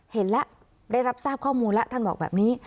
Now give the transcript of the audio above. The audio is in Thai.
เห็นแล้วได้รับทราบข้อมูลแล้วท่านบอกแบบนี้